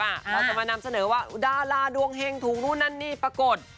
เราจะมานำเสนอว่าดาราดวงเฮงถูกนู่นนั่นนี่ปรากฏ